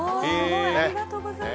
ありがとうございます。